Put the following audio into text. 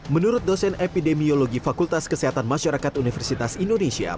menurut dosen epidemiologi fakultas kesehatan masyarakat universitas indonesia